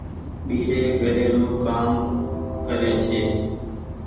ٻيري گهري رو ڪآم ڪري ڇي۔